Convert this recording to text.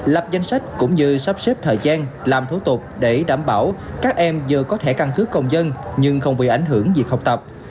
lập danh sách cũng như sắp xếp thời gian làm thủ tục để đảm bảo các em giờ có thể căn cứ công dân nhưng không bị ảnh hưởng việc học tập